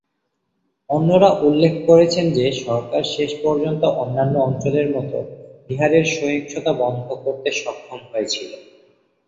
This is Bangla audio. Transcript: অন্যরা উল্লেখ করেছেন যে সরকার শেষ পর্যন্ত অন্যান্য অঞ্চলের মতো বিহারের সহিংসতা বন্ধ করতে সক্ষম হয়েছিল।